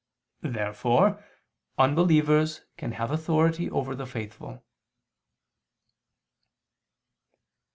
Therefore unbelievers can have authority over the faithful.